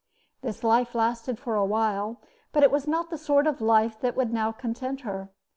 This life lasted for a while, but it was not the sort of life that would now content her.